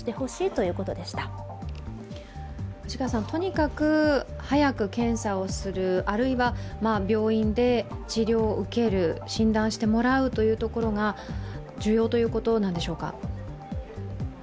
とにかく早く検査をするあるいは病院で治療を受ける、診断してもらうというところが重要ということなんでしょうか。